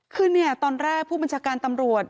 คือเนี่ยตอนแรกผู้บัญชาการตำรวจ